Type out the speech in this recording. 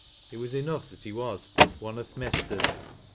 It was enough that he was " one o' th' mesters."